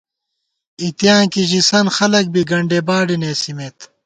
اِتیاں کی ژِسَنت خلَک بی گنڈےباڈےنېسِمېت